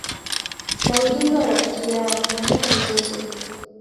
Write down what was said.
na ujinga wa rafiki yao Na hata mzozo